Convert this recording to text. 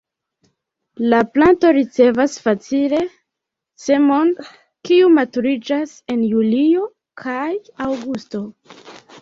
La planto ricevas facile semon, kiu maturiĝas en julio kaj aŭgusto.